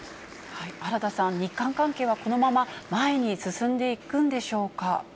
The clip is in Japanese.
原田さん、日韓関係はこのまま前に進んでいくんでしょうか。